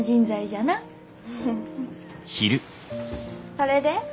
それで？